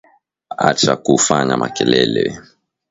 Atsha ku fanya makelele